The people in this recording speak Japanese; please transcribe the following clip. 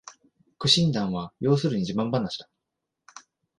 苦心談は要するに自慢ばなしだ